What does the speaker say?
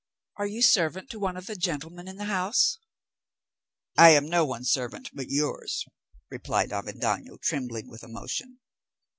"Are you servant to one of the gentlemen in the house?" "I am no one's servant but yours," replied Avendaño, trembling with emotion.